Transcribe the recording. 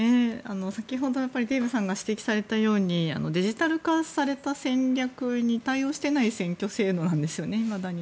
先ほどデーブさんが指摘されたようにデジタル化された戦略に対応していない選挙制度なんですよねいまだに。